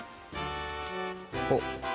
おっ！